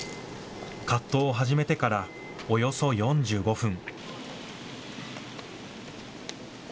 葛藤を始めてからおよそ４５分。